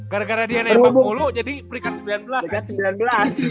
gara gara dia nembak polo jadi perikat sembilan belas